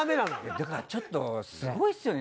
だからちょっとすごいっすよね。